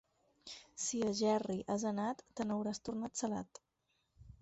Si a Gerri has anat, te n'hauràs tornat salat.